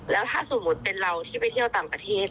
แล้วถ้าสมมุติเป็นเราที่ไปเที่ยวต่างประเทศ